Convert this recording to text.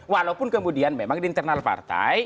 walaupun kemudian memang di internal partai